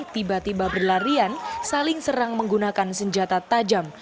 tiba tiba berlarian saling serang menggunakan senjata tajam